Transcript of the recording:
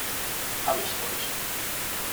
Hab ich euch!